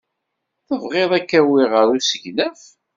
Tebɣid ad k-awiɣ ɣer usegnaf?